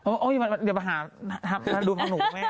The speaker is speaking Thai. โอ้ยเดี๋ยวไปหาดูข้างหนูแม่